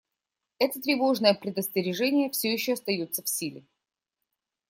Это тревожное предостережение все еще остается в силе.